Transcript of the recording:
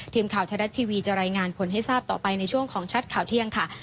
ทีมข่าวไทยรัฐทีวีจะรายงานผลให้ทราบต่อไปในช่วงของชัดข่าวเที่ยงค่ะ